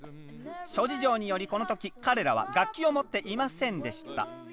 諸事情によりこの時彼らは楽器を持っていませんでした。